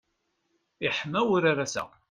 Iḥma wurar ass-a.